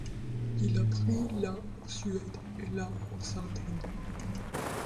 Il a pris la en Suède et la en Sardaigne.